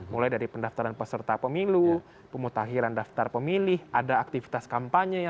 mulai dari pendaftaran peserta pemilu pemutakhiran daftar pemilih ada aktivitas kampanye